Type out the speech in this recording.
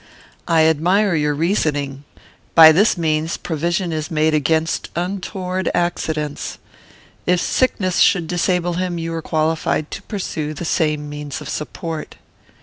"I admire your reasoning. By this means provision is made against untoward accidents. If sickness should disable him, you are qualified to pursue the same means of support."